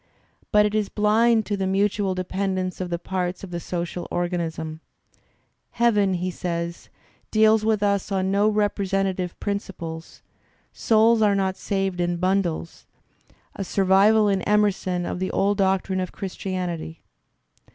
| But it is blind to the mutual dependence of the parts of the social organism. "Heaven," he says, "" deals with us on no representative principles; souls are not saved in bundles" — a survival in Emerson of the old doctrine of Christianity.